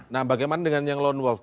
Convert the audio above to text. nah bagaimana dengan yang lone wolf